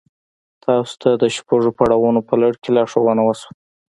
تاسې ته د شپږو پړاوونو په لړ کې لارښوونه وشوه.